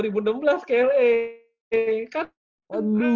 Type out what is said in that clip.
betul dua ribu enam belas kla kan aduh